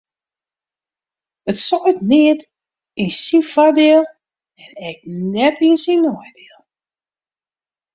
It seit neat yn syn foardiel en ek net yn syn neidiel.